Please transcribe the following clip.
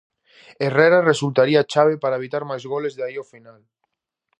Herrera resultaría chave para evitar máis goles de aí ao final.